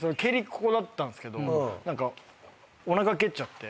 ここだったんすけどおなか蹴っちゃって。